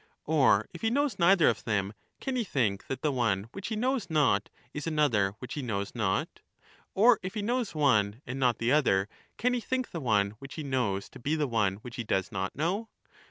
or, if he knows neither of them, can he think that the one which he knows not is another which he knows not ? or, if he knows one and not the other, can he think the one which he knows to be the one which he does not know?